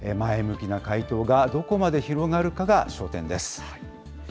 前向きな回答がどこまで広がるかが焦点です。